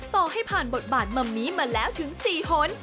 ต่อให้ผ่านบทบาทมะมี่มาแล้วถึง๔หน